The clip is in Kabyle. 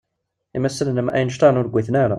Imassanen am Einstein ur ggiten ara.